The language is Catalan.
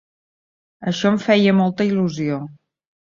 Això em feia molta il·lusió.